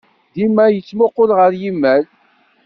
Dima yettmuqqul ɣer yimal.